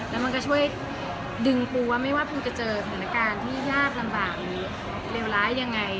และมันก็ช่วยดึงคุณค่าเราเจอการทางโครงการที่ห๊าดลำบากรวบร้าย